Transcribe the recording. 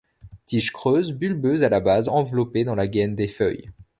Tiges creuses, bulbeuses à la base, enveloppées dans la gaine des feuilles.